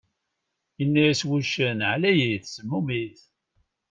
Inna-yas wuccen: ɛlayit, semmumit!